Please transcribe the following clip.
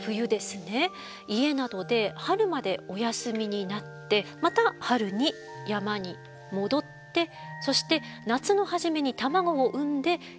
家などで春までお休みになってまた春に山に戻ってそして夏の初めに卵を産んで命を終えられます。